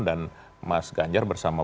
dan mas ganjar bersama